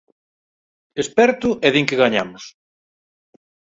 Esperto e din que gañamos.